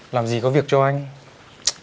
làm gì có việc cho anh